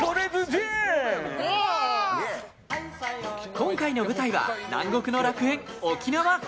今回の舞台は南国の楽園沖縄。